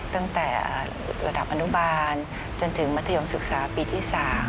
ตั้งแต่ระดับอนุบาลจนถึงมัธยมศึกษาปีที่๓